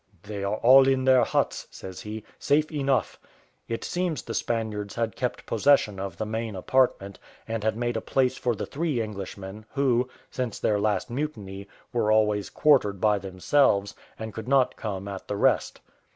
"They are all in their huts," says he, "safe enough." It seems the Spaniards had kept possession of the main apartment, and had made a place for the three Englishmen, who, since their last mutiny, were always quartered by themselves, and could not come at the rest.